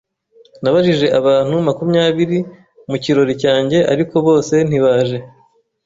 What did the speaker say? Nabajije abantu makumyabiri mu kirori cyanjye ariko bose ntibaje.